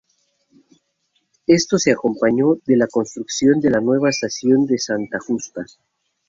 Esto se acompañó de la construcción de la nueva estación de Santa Justa.